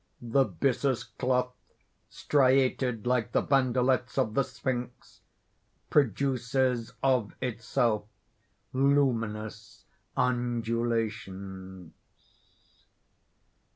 _ _The byssus cloth, striated like the bandelets of the sphinx, produces of itself luminous undulations.